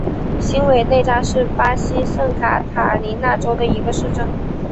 新韦内扎是巴西圣卡塔琳娜州的一个市镇。